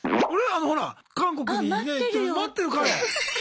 あのほら韓国にね行ってる待ってる彼。